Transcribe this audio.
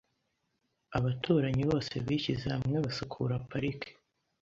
Abaturanyi bose bishyize hamwe basukura parike.